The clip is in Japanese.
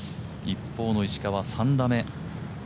一方の石川、３打目。